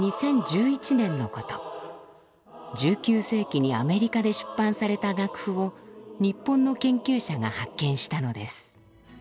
１９世紀にアメリカで出版された楽譜を日本の研究者が発見したのです。